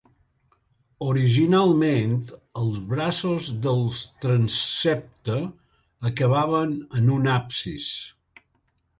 Originalment els braços del transsepte acabaven en un absis.